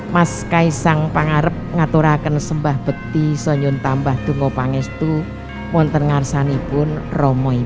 mas kaisang pangarep ngatur akan sembah bekti soyun tambah tunggu pangestu wanten ngarsani pun romohi